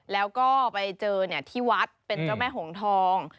แล้วก็ไปเจอที่วัดเป็นเจ้าแม่หงทอง